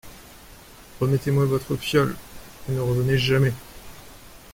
Remettez-moi votre fiole… et ne revenez jamais !